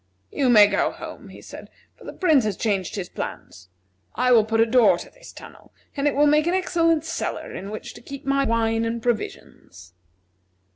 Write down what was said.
"You may go home," he said, "for the Prince has changed his plans. I will put a door to this tunnel, and it will make an excellent cellar in which to keep my wine and provisions."